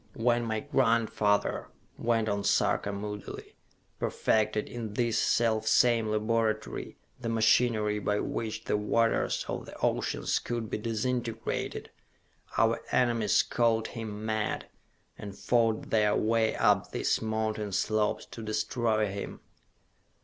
"When my grandfather," went on Sarka moodily, "perfected, in this self same laboratory, the machinery by which the waters of the oceans could be disintegrated, our enemies called him mad, and fought their way up these mountain slopes to destroy him!